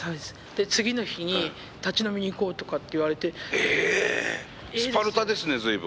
で次の日に立ち飲みに行こうとかって言われて。え！？スパルタですね随分。